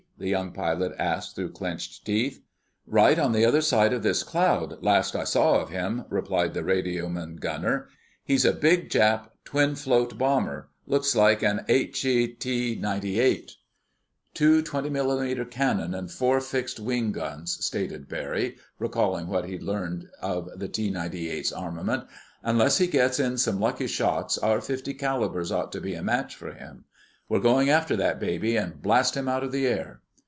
the young pilot asked through clenched teeth. "Right on the other side of this cloud, last I saw of him," replied the radioman gunner. "He's a big Jap twin float bomber ... looks like an Aichi T98." "Two 20 mm. cannon and four fixed wing guns," stated Barry, recalling what he had learned of the T98's armament. "Unless he gets in some lucky shots our .50 calibers ought to be a match for him. We're going after that baby, and blast him out of the air!"